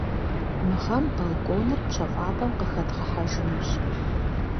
Мы гъэм балконыр пщэфӏапӏэм къыхэдгъэхьэжынущ.